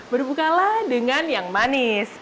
berbukalah dengan yang manis